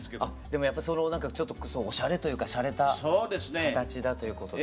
でもやっぱそのなんかちょっとおしゃれというかしゃれた形だということ。